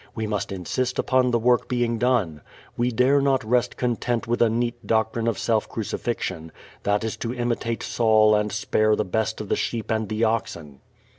We must insist upon the work being done. We dare not rest content with a neat doctrine of self crucifixion. That is to imitate Saul and spare the best of the sheep and the oxen.